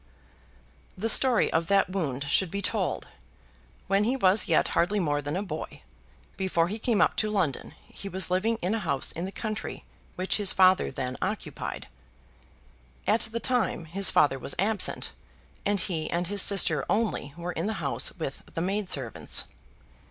The story of that wound should be told. When he was yet hardly more than a boy, before he had come up to London, he was living in a house in the country which his father then occupied. At the time his father was absent, and he and his sister only were in the house with the maid servants.